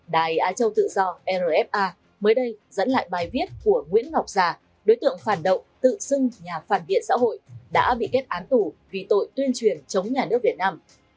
đài á châu tự do rfa mới đây dẫn lại bài viết của nguyễn ngọc già đối tượng phản động tự xưng nhà phản viện xã hội đã bị kết án tù vì tội tuyên truyền chống nhà nước việt nam